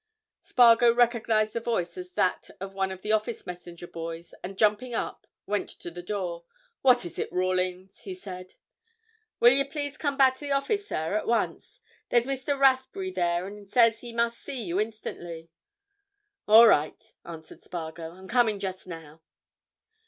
Spargo recognized the voice as that of one of the office messenger boys, and jumping up, went to the door. "What is it, Rawlins?" he asked. "Will you please come back to the office, sir, at once? There's Mr. Rathbury there and says he must see you instantly." "All right," answered Spargo. "I'm coming just now."